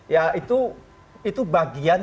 ya itu itu bagian